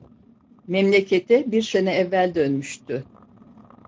Memlekete bir sene evvel dönmüştü.